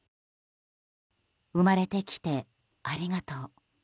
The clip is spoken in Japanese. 生まれてきてありがとう。